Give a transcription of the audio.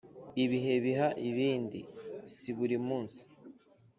Ibihe biha ibindi si buri munsi